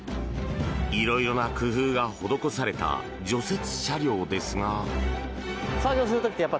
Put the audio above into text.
色々な工夫が施された除雪車両ですが。